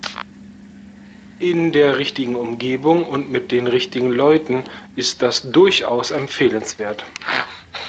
In der richtigen Umgebung und mit den richtigen Leuten ist das durchaus empfehlenswert.